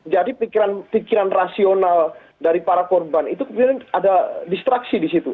jadi pikiran rasional dari para korban itu kemudian ada distraksi di situ